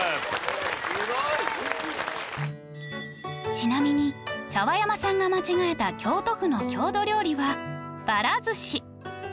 ちなみに澤山さんが間違えた京都府の郷土料理はばらずし